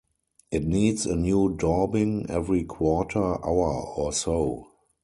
It needs a new daubing every quarter hour or so.